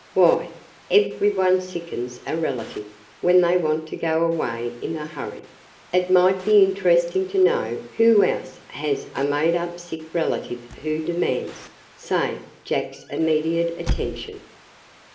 Why, every one sickens a relative when they want to go away in a hurry. It might be interesting to know who else has a made up sick relative who demands, say, Jack's immediate attention."